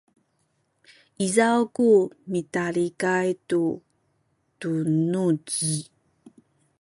izaw ku mitalikay tu tunuz